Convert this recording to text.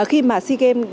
khi mà sea game